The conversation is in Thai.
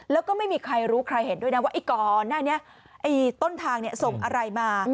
แล้วก็ไม่มีใครรู้ใครเห็นด้วยนะว่ากรต้นทางส่งอะไรมา